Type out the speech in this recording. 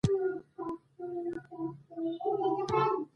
زما نوی سمارټ واچ د زړه ضربان لولي.